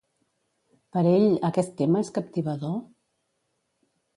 Per ell, aquest tema és captivador?